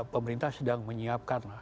pemerintah sedang menyiapkan